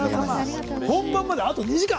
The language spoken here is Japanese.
本番まであと２時間。